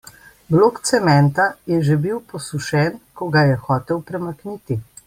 Blok cementa je že bil posušen, ko ga je hotel premakniti.